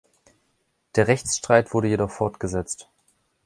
Der Rechtsstreit wurde jedoch fortgesetzt.